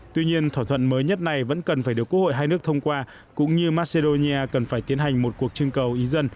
tuy nhiên thỏa thuận mới nhất này vẫn cần phải được quốc hội hai nước thông qua cũng như macedonia cần phải tiến hành một cuộc trưng cầu ý dân